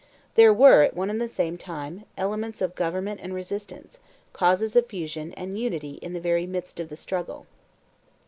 There were, at one and the same time, elements of government and resistance, causes of fusion and unity in the very midst of the struggle.